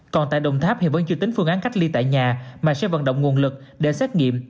còn tại đồng tháp hiện vẫn chưa tính phương án cách ly tại nhà mà sẽ vận động nguồn lực để xét nghiệm